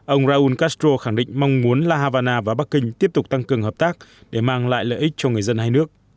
ông raúl castro khẳng định mong muốn la havana và bắc kinh tiếp tục tăng cường hợp tác để mang lại lợi ích cho người dân hai nước